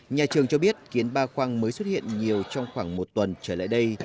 nhà trường cho biết kiến ba khoang mới xuất hiện nhiều trong khoảng một tuần trở lại đây